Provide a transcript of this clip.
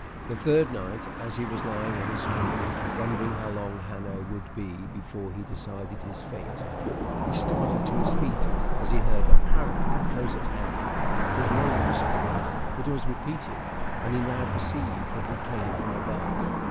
The third night, as he was lying on his straw, wondering how long Hanno would be before he decided his fate, he started to his feet as he heard, apparently close at hand, his name whispered. It was repeated, and he now perceived that it came from above.